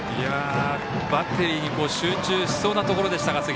バッテリーに集中しそうなところでしたが。